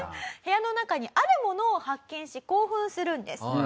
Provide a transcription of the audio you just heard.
部屋の中にあるものを発見し興奮するんです。